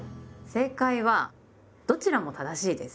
正解はどちらも正しいです！